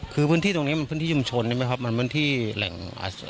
คือพื้นที่ตรงเนี้ยมันพื้นที่ชุมชนใช่ไหมครับมันพื้นที่แหล่งอ่า